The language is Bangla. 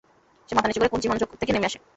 সে মাথা নিচু করে কুস্তি মঞ্চ থেকে নেমে আসে।